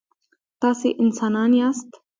تاسي انسانان یاست.